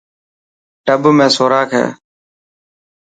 ٽب ۾ سوراک هي.